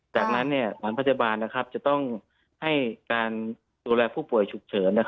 จากนั้นเหมือนพยาบาลจะต้องให้การดูแลผู้ป่วยฉุกเฉิน